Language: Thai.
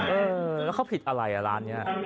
เออแล้วเขาผิดอะไรอ่ะร้านนี้